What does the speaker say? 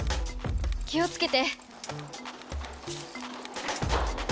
気をつけて。